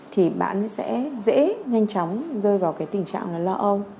thì bạn sẽ dễ nhanh chóng rơi vào cái tình trạng là lo âu